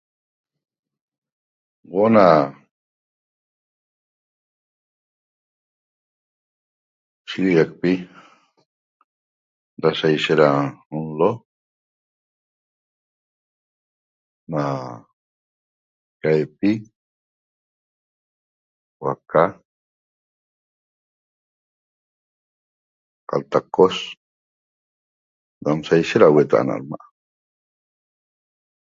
Huo'o na shiguiacpi da saishet da nlo na caipi, huaaca qataq cos nam saishet nam hueta'a na adma'